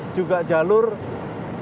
juga jalur yang sudah diaktifkan